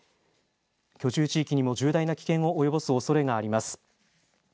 居住地域にも重大な危険を及ぼすおそれがあります。